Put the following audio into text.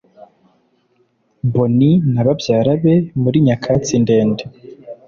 bonnie na babyara be muri nyakatsi ndende